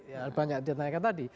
ya banyak dia tanyakan tadi